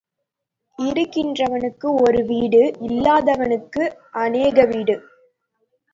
இருக்கிறவனுக்கு ஒரு வீடு இல்லாதவனுக்கு அநேக வீடு.